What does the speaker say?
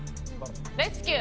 レスキュー。